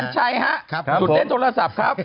กันใช่ครับสูตรเล่นโทรศัพท์ครับ